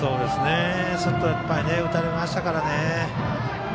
やっぱり打たれましたからね。